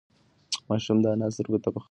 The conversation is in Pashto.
ماشوم د انا سترگو ته په ځير وکتل.